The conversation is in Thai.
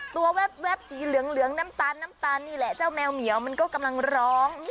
แวบสีเหลืองน้ำตาลน้ำตาลนี่แหละเจ้าแมวเหมียวมันก็กำลังร้อง